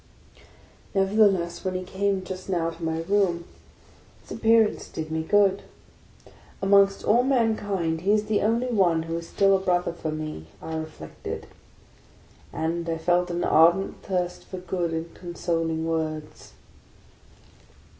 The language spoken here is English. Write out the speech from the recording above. Nevertheless, when he came just now to my room, his ap pearance did me good. Amongst all mankind he is the only one who is still a brother for me, I reflected; and I felt an ardent thirst for good and consoling words.